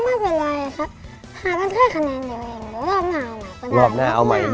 ค่ะมันเคยคะแนนเดียวเองแล้วรอบหน้าเอาใหม่ก็ได้